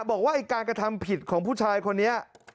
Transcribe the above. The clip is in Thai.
บอกว่าไอ้การกระทำผิดของผู้ชายคนนี้